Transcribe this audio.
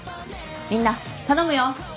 みんな頼むよ！